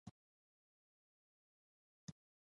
سبا به معلومه شي.